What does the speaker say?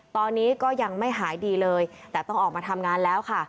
ตอนนี้ก็ยังไม่หายดีเลยแต่ต้องออกมาทำงานแล้วค่ะ